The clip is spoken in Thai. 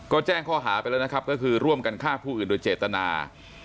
ก็แจ้งข้อหาไปแล้วนะครับก็คือร่วมกันฆ่าผู้อื่นโดยเจตนา